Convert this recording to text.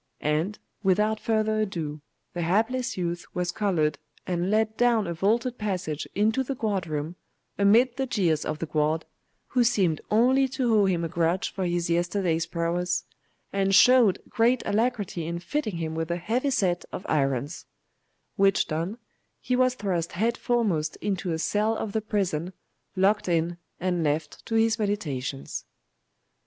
And, without further ado, the hapless youth was collared, and led down a vaulted passage into the guard room, amid the jeers of the guard, who seemed only to owe him a grudge for his yesterday's prowess, and showed great alacrity in fitting him with a heavy set of irons; which done, he was thrust head foremost into a cell of the prison, locked in and left to his meditations.